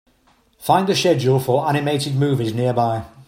Find the schedule for animated movies nearby